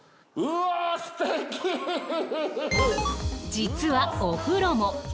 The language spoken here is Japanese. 実はお風呂も。